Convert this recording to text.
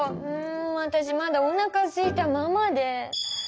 わたしまだおなかすいたままで。